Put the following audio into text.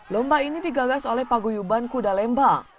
lomba ini digagas oleh paguyuban kuda lembang